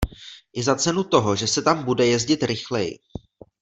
I za cenu toho, že se tam bude jezdit rychleji.